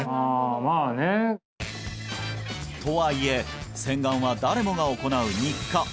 あまあねとはいえ洗顔は誰もが行う日課